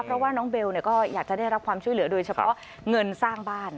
เพราะว่าน้องเบลก็อยากจะได้รับความช่วยเหลือโดยเฉพาะเงินสร้างบ้าน